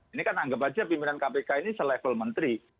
ini kan anggap aja pimpinan kpk ini selevel menteri